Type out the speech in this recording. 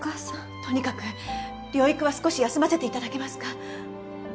とにかく療育は少し休ませて頂けますか？